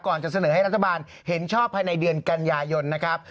จะเสนอให้รัฐบาลเห็นชอบภายในเดือนกันยายนนะครับ